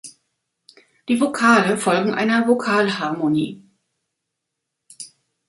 Die Vokale folgen einer Vokalharmonie.